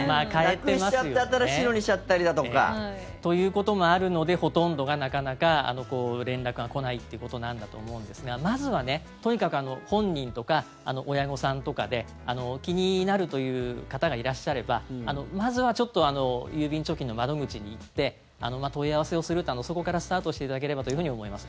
なくしちゃって新しいのにしちゃったりだとか。ということもあるのでほとんどが、なかなか連絡が来ないということなんだと思うんですがまずは、とにかく本人とか親御さんとかで気になるという方がいらっしゃればまずはちょっと郵便貯金の窓口に行って問い合わせをするそこからスタートしていただければというふうに思います。